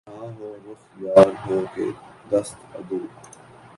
غم جہاں ہو رخ یار ہو کہ دست عدو